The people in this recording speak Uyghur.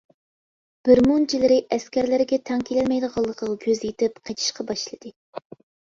بىر مۇنچىلىرى ئەسكەرلەرگە تەڭ كېلەلمەيدىغانلىقىغا كۆزى يېتىپ قېچىشقا باشلىدى.